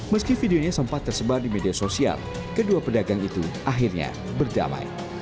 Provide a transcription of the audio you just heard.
meski videonya sempat tersebar di media sosial kedua pedagang itu akhirnya berdamai